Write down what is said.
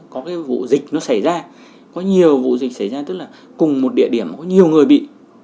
có cái vụ dịch nó xảy ra có nhiều vụ dịch xảy ra tức là cùng một địa điểm có nhiều người bị